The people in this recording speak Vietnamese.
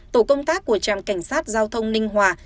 tổ công tác của trạm cảnh sát giao thông ninh hòa